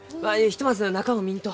ひとまず中を見んと。